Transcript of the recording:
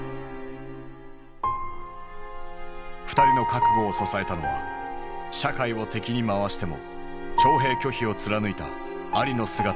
２人の覚悟を支えたのは社会を敵に回しても徴兵拒否を貫いたアリの姿だった。